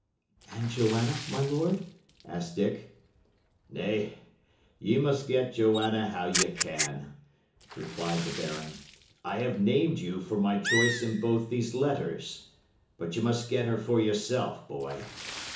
'" "And Joanna, my lord?" asked Dick. "Nay, ye must get Joanna how ye can," replied the baron. "I have named you for my choice in both these letters; but ye must get her for yourself, boy.